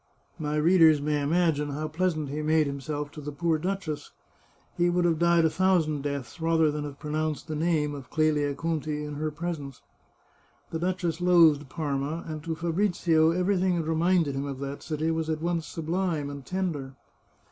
My readers may imagine how pleasant he made himself to the poor duchess ; he would have died a thousand deaths rather than have pronounced the name of Clelia Conti in her presence. The duchess loathed Parma, and to Fabrizio everything that reminded him of that city was at once sublime and tender.